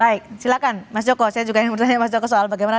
baik silakan mas joko saya juga ingin bertanya mas joko soal bagaimana